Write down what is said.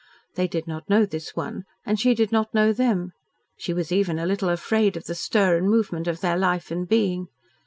They did not know this one, and she did not know them, she was even a little afraid of the stir and movement of their life and being.